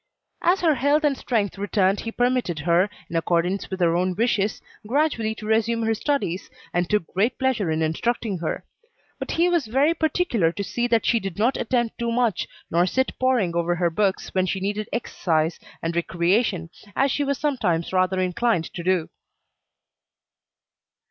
As her health and strength returned he permitted her, in accordance with her own wishes, gradually to resume her studies, and took great pleasure in instructing her; but he was very particular to see that she did not attempt too much, nor sit poring over her books when she needed exercise and recreation, as she was sometimes rather inclined to do.